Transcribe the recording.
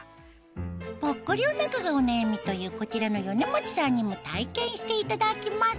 ぽっこりお腹がお悩みというこちらの米持さんにも体験していただきます